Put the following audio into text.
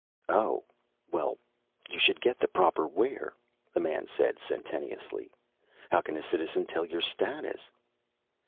"Oh. Well, you should get the proper wear," the man said sententiously. "How can a citizen tell your status?"